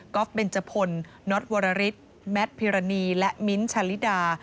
เบนจพลน็อตวรริสแมทพิรณีและมิ้นท์ชาลิดา